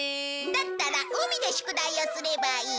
だったら海で宿題をすればいい。